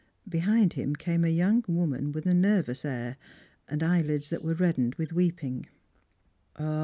Behind him came a young woman with a nervous air, and eyelids that were reddened with weeping.